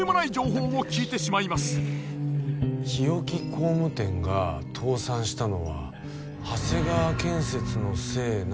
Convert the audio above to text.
日置工務店が倒産したのは長谷川建設のせいなのではって。